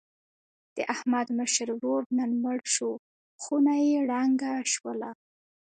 د احمد مشر ورور نن مړ شو. خونه یې ړنګه شوله.